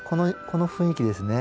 この雰囲気ですね。